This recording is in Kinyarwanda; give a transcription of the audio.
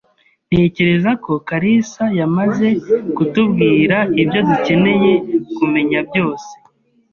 Ntekereza ko kalisa yamaze kutubwira ibyo dukeneye kumenya byose.